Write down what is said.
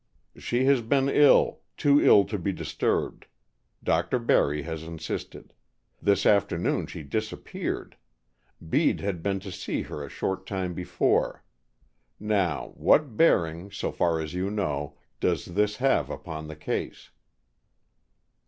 "She has been ill, too ill to be disturbed. Dr. Barry has insisted. This afternoon she disappeared. Bede had been to see her a short time before. Now, what bearing, so far as you know, does this have upon the case?"